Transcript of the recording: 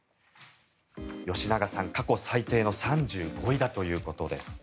吉永さん、過去最低の３５位だということです。